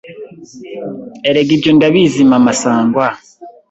Erega ibyo ndabizi Mama Sangwa